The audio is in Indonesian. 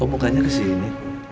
kok bukannya kesini